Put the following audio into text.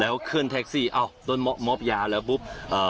แล้วขึ้นแท็กซี่อ้าวโดนมอบยาแล้วปุ๊บ